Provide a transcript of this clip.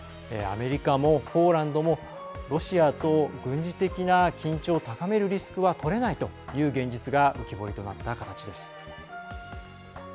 アメリカもポーランドもロシアと軍事的な緊張を高めるリスクはとれないという現実が浮き彫りとなった形です。